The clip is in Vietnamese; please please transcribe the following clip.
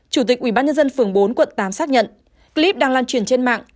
chủ tịch ubnd phường bốn quận tám xác nhận clip đang lan truyền trên mạng